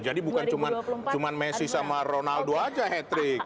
jadi bukan cuma messi sama ronaldo aja hattrick